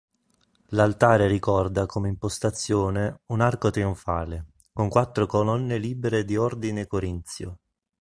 L'altare ricorda come impostazione un arco trionfale con quattro colonne libere di ordine corinzio.